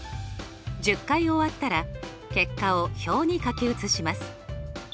１０回終わったら結果を表に書き写します。